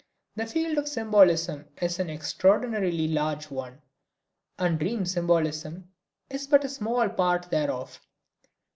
The field of symbolism is an extraordinarily large one, and dream symbolism is but a small part thereof.